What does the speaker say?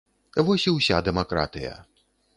Вось і ўся дэмакратыя!